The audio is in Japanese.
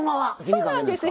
そうなんです。